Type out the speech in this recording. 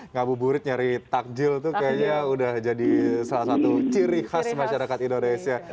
ngabuburit nyari takjil tuh kayaknya udah jadi salah satu ciri khas masyarakat indonesia